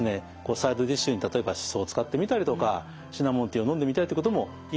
サイドディッシュに例えばシソを使ってみたりとかシナモンティーを飲んでみたりってこともいいのかもしれませんね。